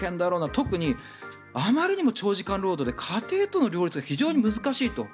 特に、あまりにも長時間労働で家庭との両立が非常に難しいと。